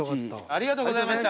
ありがとうございます。